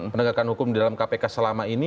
penegakan hukum di dalam kpk selama ini